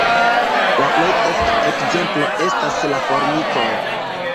La plej ofta ekzemplo estas la formikoj.